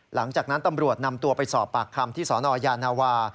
หลังจากนั้นตำรวจนำตัวไปสอบปากคำที่สนยานาวา